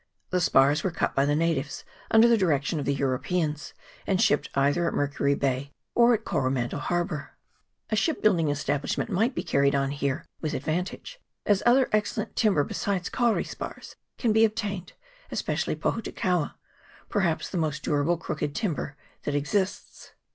The spars were cut by the natives under the direction of the Euro peans, and shipped either at Mercury Bay or at Co romandel Harbour. A ship building establishment might be carried on here with advantage, as other excellent timber, besides kauri spars, can be obtained, especially po hutukaua, perhaps the most durable crooked timber that exists.